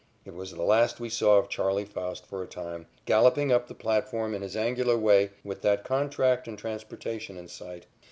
It was the last we saw of "Charley" Faust for a time galloping up the platform in his angular way with that contract and transportation in sight.